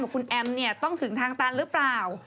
กับคุณแอมต้องถึงทางตันรึเปล่า